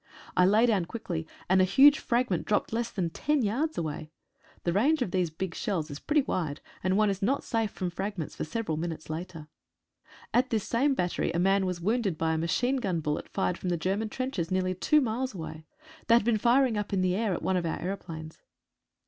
I lay down quickly, and a huge fragment dropped less than ten yards away. The range of these big shells is pretty wide, and one is not safe from fragments for several minutes later. At this same battery a man was wounded by a machine gun bullet, fired from the Ger man trenches nearly two miles away. They had been firing up in the air at one of our aeroplanes.